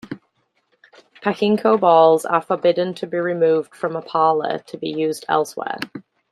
Pachinko balls are forbidden to be removed from a parlor to be used elsewhere.